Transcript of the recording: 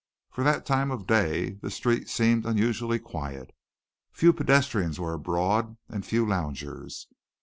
For that time of day the street seemed unusually quiet. Few pedestrians were abroad and few loungers.